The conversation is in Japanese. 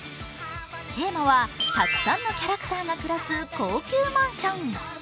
テーマはたくさんのキャラクターが暮らす高級マンション。